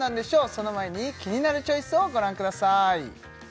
その前に「キニナルチョイス」をご覧ください